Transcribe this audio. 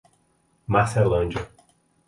Marcelândia